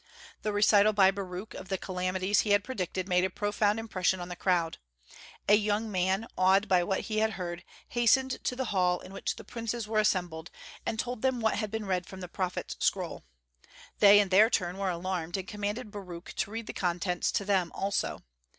The recital by Baruch of the calamities he had predicted made a profound impression on the crowd. A young man, awed by what he had heard, hastened to the hall in which the princes were assembled, and told them what had been read from the prophet's scroll. They in their turn were alarmed, and commanded Baruch to read the contents to them also.